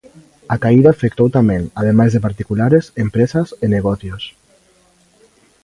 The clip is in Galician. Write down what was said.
A caída afectou tamén, ademais de particulares, empresas e negocios.